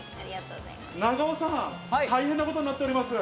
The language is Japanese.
長尾さん、大変なことになっております。